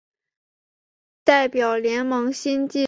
代表联盟新纪录